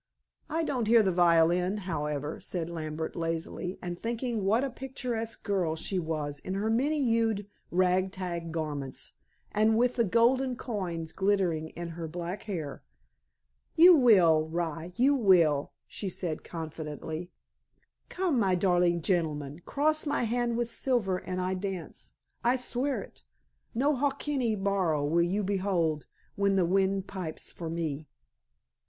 "I don't hear the violin, however," said Lambert lazily, and thinking what a picturesque girl she was in her many hued rag tag garments, and with the golden coins glittering in her black hair. "You will, rye, you will," she said confidentially. "Come, my darling gentleman, cross my hand with silver and I dance. I swear it. No hokkeny baro will you behold when the wind pipes for me."